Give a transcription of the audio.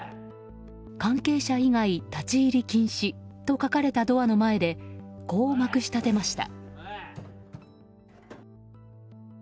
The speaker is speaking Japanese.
「関係者以外立ち入り禁止」と書かれたドアの前でこう、まくし立てました。